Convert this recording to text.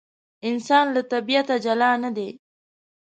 انسان له طبیعته جلا نه دی.